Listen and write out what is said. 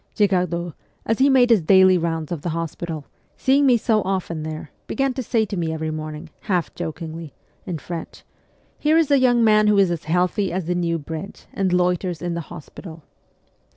Girardot, as he made his daily rounds of the hospital, seeing me so often there, began to say to me every morning, half jokingly, in French, ' Here is a young man who is as healthy as the New Bridge, and loiters in the hospital.'